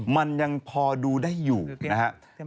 มันยังพอดูได้อยู่นะครับ